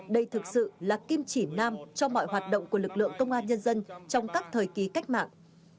đây thực sự là kim chỉ nam cho mọi hoạt động của lực lượng công an nhân dân trong các thời kỳ cách mạng